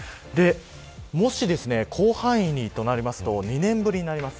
もし広範囲となりますと２年ぶりになります。